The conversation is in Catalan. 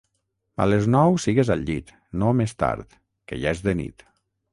A les nou sigues al llit, no més tard, que ja és de nit.